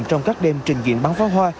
trong các đêm trình diễn bán pháo hoa